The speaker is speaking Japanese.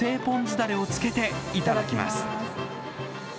だれをつけていただきます。